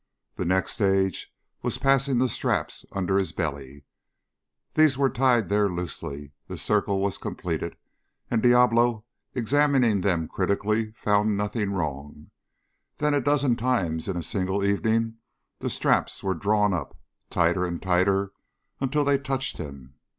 The next stage was passing the straps under his belly. They were tied there loosely, the circle was completed, and Diablo, examining them critically, found nothing wrong. Then, a dozen times in a single evening, the straps were drawn up, tighter and tighter, until they touched him.